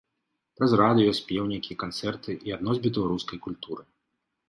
Праз радыё, спеўнікі, канцэрты і ад носьбітаў рускай культуры.